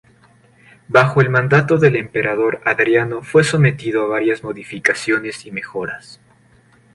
Bajo el mandato del emperador Adriano fue sometido a varias modificaciones y mejoras.